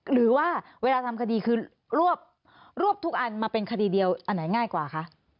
หรือว่าเวลาทำคดีคือรวบทุกอันมาเป็นคดีเดียวอันไหนง่ายกว่าคะ